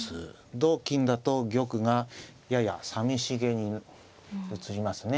同金だと玉がややさみしげに映りますね。